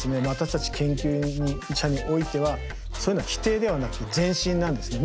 私たち研究者においてはそういうのは否定ではなくて前進なんですね。